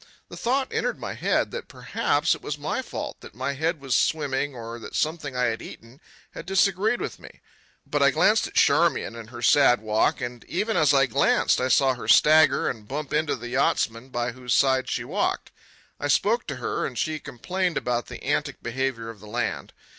The thought entered my head that perhaps it was my fault, that my head was swimming or that something I had eaten had disagreed with me. But I glanced at Charmian and her sad walk, and even as I glanced I saw her stagger and bump into the yachtsman by whose side she walked. I spoke to her, and she complained about the antic behaviour of the land.